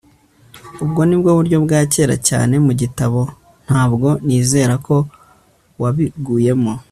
ubwo ni bwo buryo bwa kera cyane mu gitabo. ntabwo nizera ko wabiguyemo